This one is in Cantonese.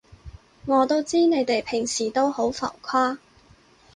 我都知你哋平時都好浮誇